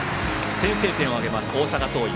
先制点を挙げます、大阪桐蔭。